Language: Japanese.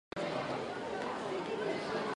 昼夜の区別なく急行すること。仕事を急いで行うこと。